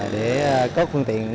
để có phương tiện